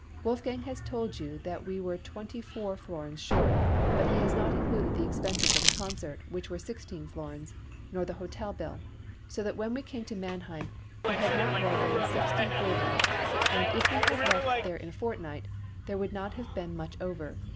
Wolfgang has told you that we were twenty four florins short, but he has not included the expenses of the concert, which were sixteen florins, nor the hotel bill. So that when we came to Mannheim we had not more than sixty gulden, and if we had left in a fortnight, there would not have been much over.